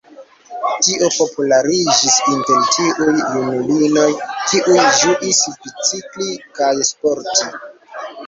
Tio populariĝis inter tiuj junulinoj, kiuj ĝuis bicikli kaj sporti.